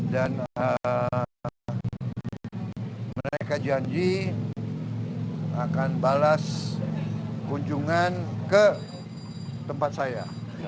dan mereka janji akan balas kunjungan ke tempat saya